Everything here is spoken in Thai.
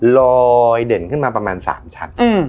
ลอยเด่นขึ้นมาประมาณ๓ชั้น